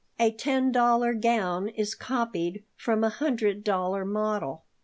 A ten dollar gown is copied from a hundred dollar model.